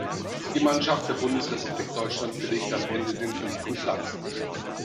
Die Mannschaft der Bundesrepublik Deutschland belegte am Ende den fünften Platz.